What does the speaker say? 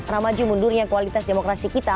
ramaju mundurnya kualitas demokrasi kita